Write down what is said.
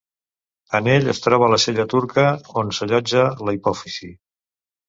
En ell es troba la sella turca on s'allotja la hipòfisi.